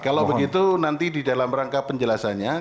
kalau begitu nanti di dalam rangka penjelasannya